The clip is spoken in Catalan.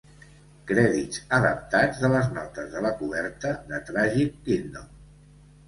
Crèdits adaptats de les notes de la coberta de "Tragic Kingdom".